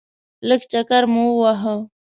لږ چکر مو وواهه.